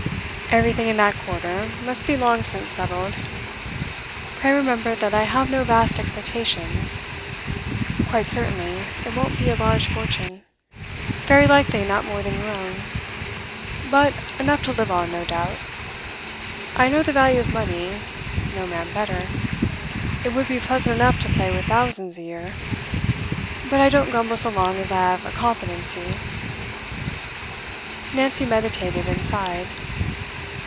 'Everything, in that quarter, must be long since settled. Pray remember that I have no vast expectations. Quite certainly, it won't be a large fortune; very likely not more than your own. But enough to live on, no doubt. I know the value of money no man better. It would be pleasant enough to play with thousands a year. But I don't grumble so long as I have a competency.' Nancy meditated, and sighed.